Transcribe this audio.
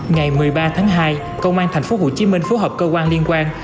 ngày một mươi ba tháng hai công an tp hồ chí minh phối hợp cơ quan liên quan